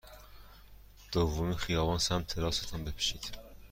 دومین خیابان سمت راست تان بپیچید.